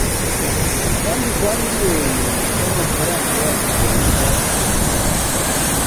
kandi za miliyoni z’amafaranga zikoreshwa ku itabi